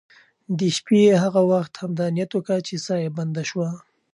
د شپې یې هغه وخت همدا نیت وکړ چې ساه یې بنده شوه.